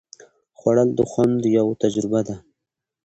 خوړل د خوند یوه تجربه ده